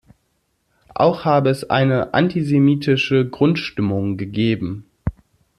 Auch habe es eine antisemitische Grundstimmung gegeben.